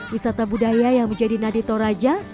wisata budaya yang menjadi nadi toraja